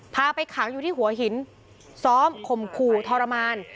พาไปขังอยู่ที่หัวหินซ้อมข่มขู่ทรมาน